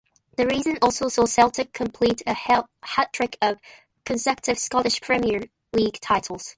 The season also saw Celtic complete a hat-trick of consecutive Scottish Premier League titles.